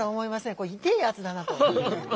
これいてえやつだなと。